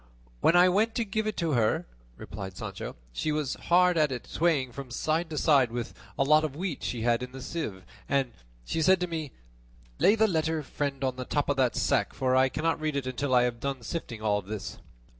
"When I went to give it to her," replied Sancho, "she was hard at it swaying from side to side with a lot of wheat she had in the sieve, and she said to me, 'Lay the letter, friend, on the top of that sack, for I cannot read it until I have done sifting all this."